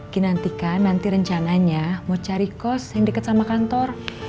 dinantikan nanti rencananya mau cari kos yang dekat sama kantor